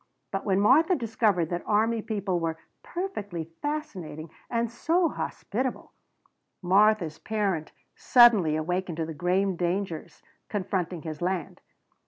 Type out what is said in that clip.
But when Martha discovered that army people were "perfectly fascinating and so hospitable" Martha's parent suddenly awakened to the grave dangers confronting his land.